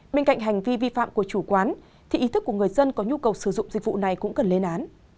bên cạnh hành vi vi phạm của chủ quán thì ý thức của người dân có nhu cầu sử dụng dịch vụ này cũng cần lên án